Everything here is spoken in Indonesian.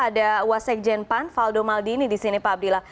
ada wasik jain pan faldo maldini di sini pak abdillah